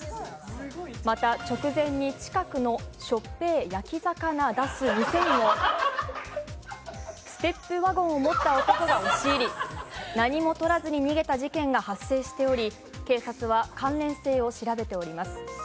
また、直前に近くのしょっぺえ焼き魚出す店にもステップワゴンを持った男が押し入り何も取らずに逃げた事件が発生しており警察は関連性を調べています。